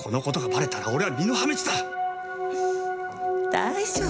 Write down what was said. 大丈夫。